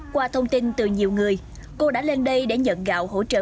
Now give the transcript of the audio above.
qua thông tin từ nhiều người cô đã lên đây để nhận gạo hỗ trợ